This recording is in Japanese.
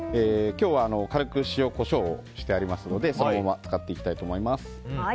今日は軽く塩、コショウをしてありますのでそのまま使っていきたいと思います。